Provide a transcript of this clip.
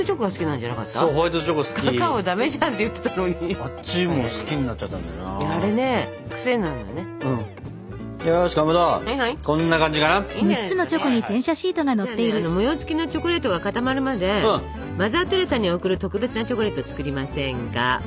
じゃあね模様つきのチョコレートが固まるまでマザー・テレサに贈る特別なチョコレート作りませんか？